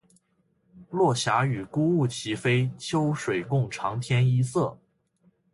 落霞与孤鹜齐飞，秋水共长天一色